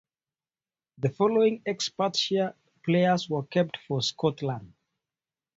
The following ex-Perthshire players were capped for Scotland.